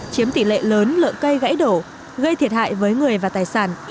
chiếm tỷ lệ lớn lượng cây gãy đổ gây thiệt hại với người và tài sản